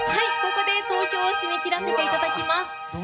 ここで投票締め切らせていただきます。